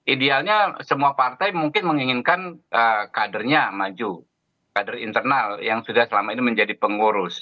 idealnya semua partai mungkin menginginkan kadernya maju kader internal yang sudah selama ini menjadi pengurus